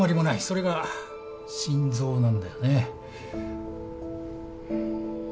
それが心臓なんだよね。